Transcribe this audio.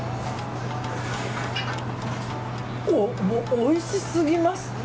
おいしすぎます。